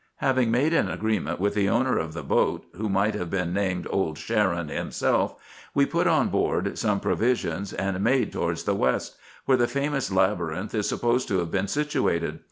Having made an agreement with the owner of the hoat, who might have been named Old Charon himself, we put on board some pro visions, and made towards the west, where the famous Labyrinth is supposed to have been situated.